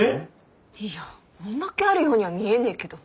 いや女っ気あるようには見えねえけど。